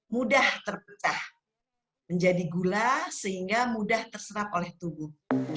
mudah terpecah menjadi gula sehingga mudah terserap oleh tubuh